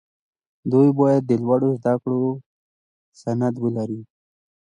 دوی باید د لوړو زدکړو سند ولري.